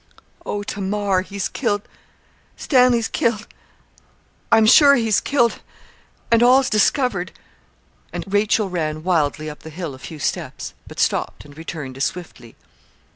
'Oh! Tamar, he's killed Stanley's killed I'm sure he's killed, and all's discovered' and Rachel ran wildly up the hill a few steps, but stopped and returned as swiftly.